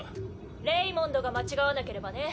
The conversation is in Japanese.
レイモンドが間違わなければね。